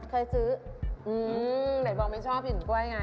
เคยซื้ออืมไหนบอกไม่ชอบกลิ่นกล้วยไง